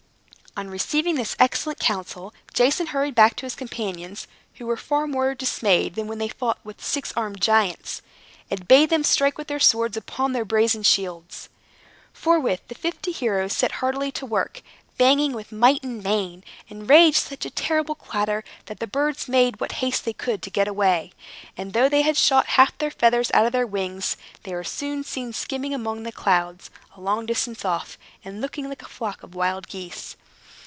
On receiving this excellent counsel, Jason hurried back to his companions (who were far more dismayed than when they fought with the six armed giants), and bade them strike with their swords upon their brazen shields. Forthwith the fifty heroes set heartily to work, banging with might and main, and raised such a terrible clatter, that the birds made what haste they could to get away; and though they had shot half the feathers out of their wings, they were soon seen skimming among the clouds, a long distance off, and looking like a flock of wild geese.